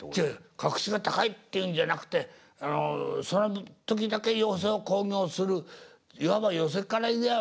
格式が高いっていうんじゃなくてその時だけ寄席を興行するいわば寄席から言やあ